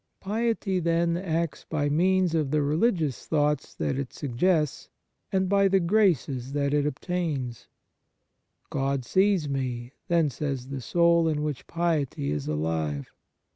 Piety, then, acts by means of the religious thoughts that it suggests and by the graces that 119 On Piety it obtains. u God sees me," then says the soul in which piety is alive.